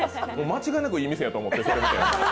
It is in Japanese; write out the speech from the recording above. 間違いなくいい店やと思って、それ見て。